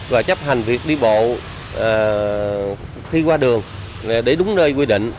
và chấp hành việc đi bộ khi qua đường để đúng nơi quy định